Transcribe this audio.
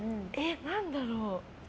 何だろう。